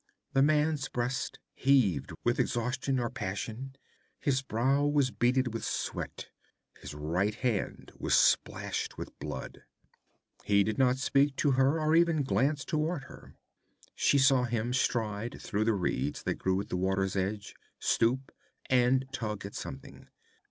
The man's breast heaved with exhaustion or passion; his brow was beaded with sweat; his right hand was splashed with blood. He did not speak to her, or even glance toward her. She saw him stride through the reeds that grew at the water's edge, stoop, and tug at something.